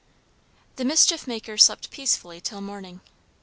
The mischief maker slept peacefully till morning.